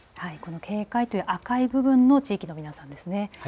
警戒という赤い部分の地域のみなさんですね。